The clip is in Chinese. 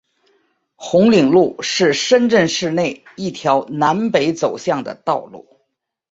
红岭路是深圳市内一条南北走向的道路。